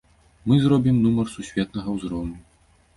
Мы зробім нумар сусветнага ўзроўню.